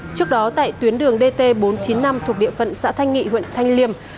trước đó tại tuyến đường dt bốn trăm chín mươi năm thuộc địa phận xã thanh nghị huyện thanh liêm